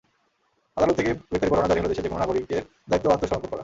আদালত থেকে গ্রেপ্তারি পরোয়ানা জারি হলে দেশের যেকোনো নাগরিকের দায়িত্ব আত্মসমর্পণ করা।